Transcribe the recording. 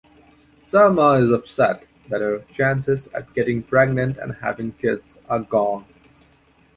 Selma is upset that her chances at getting pregnant and having kids are gone.